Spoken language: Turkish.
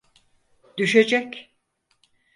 Düşecek.